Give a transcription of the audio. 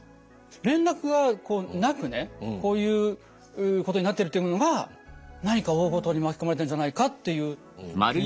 連絡がなくねこういうことになってるというのが何か大ごとに巻き込まれたんじゃないかっていう。